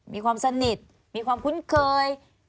มีความสนิทมีความคุ้นเคย